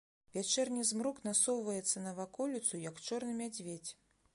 Вячэрні змрок насоўваецца на ваколіцу, як чорны мядзведзь.